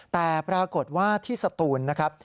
แต่ปรากฏว่าที่สตูนนะครับ